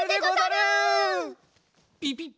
ピピッ！